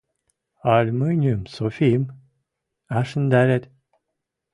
Ӓль мӹньӹм, Софим, ӓшӹндӓрет?»